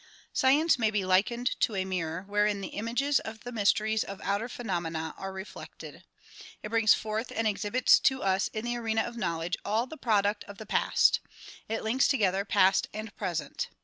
Science may be likened to a mirror wherein the images of the mysteries of outer phenomena are reflected. It brings forth and exhibits to us in the arena of knowledge all the product of the past. It links together past and present.